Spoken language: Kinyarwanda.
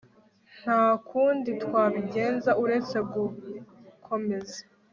Nta kundi twabigenza uretse gukomeza